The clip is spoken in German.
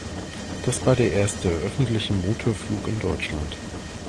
Das war der erste öffentliche Motorflug in Deutschland.